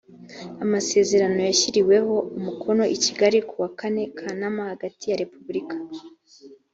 amasezerano yashyiriweho umukono i kigali kuwa kane kanama hagati ya repubulika